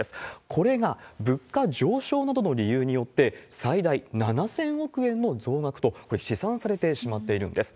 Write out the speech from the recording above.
これが物価上昇などの理由によって、最大７０００億円の増額と、これ、試算されてしまっているんです。